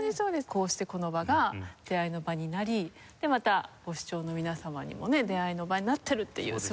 こうしてこの場が出会いの場になりでまたご視聴の皆様にもね出会いの場になってるっていう素晴らしい企画を。